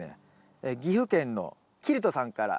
岐阜県のキルトさんから。